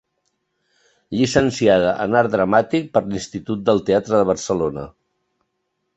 Llicenciada en Art Dramàtic per l'Institut del Teatre de Barcelona.